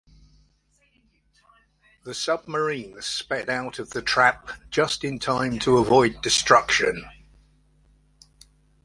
The submarine sped out of the trap just in time to avoid destruction.